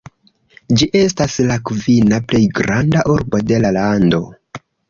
Ĝi estas la kvina plej granda urbo de la lando.